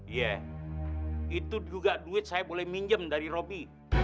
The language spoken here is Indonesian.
iya itu juga duit saya boleh minjem dari robby